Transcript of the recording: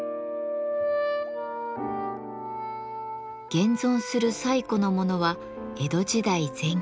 現存する最古のものは江戸時代前期。